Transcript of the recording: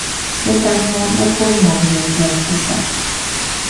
一間屋，一般冇嘢嘅其實